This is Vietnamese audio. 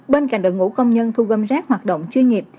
bên cạnh đội ngũ công nhân thu gom rác hoạt động chuyên nghiệp